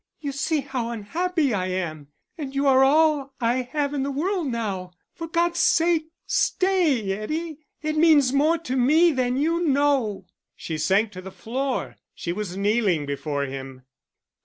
"You see how unhappy I am; and you are all I have in the world now. For God's sake, stay, Eddie. It means more to me than you know." She sank to the floor; she was kneeling before him.